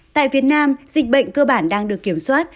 tại việt nam dịch bệnh cơ bản đang được kiểm soát